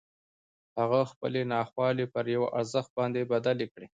هغه خپلې ناخوالې پر یوه ارزښت باندې بدلې کړې